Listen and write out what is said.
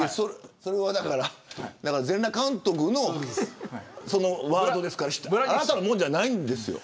それは全裸監督のワードですからあなたのものじゃないんですよ。